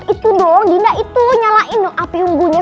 itu dong dinda itu nyalain dong api unggunya